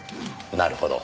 なるほど。